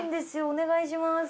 お願いします。